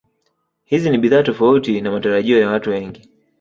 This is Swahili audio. Hizi ni bidhaa tofauti na matarajio ya watu wengi